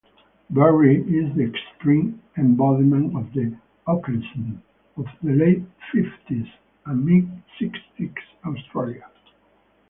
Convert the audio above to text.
Barry is the extreme embodiment of "Ockerism" of the late fifties and mid-sixties Australia.